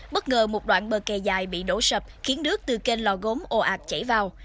bất ngờ một đoạn bờ kè dài bị đổ sập khiến nước từ kênh lò gốm ồ ạc chảy vào